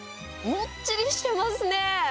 もっちりしてますね。